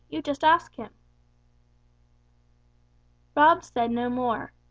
You just ask Him." Rob said no more.